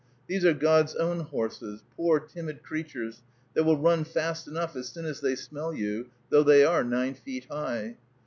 These are God's own horses, poor, timid creatures, that will run fast enough as soon as they smell you, though they are nine feet high.